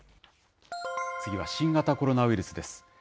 次は新型コロナウイルスです。